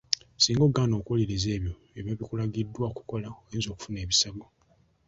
Singa ogaana okuwuliriza ebyo ebiba bikulagiddwa okukola oyinza okufuna ebisago.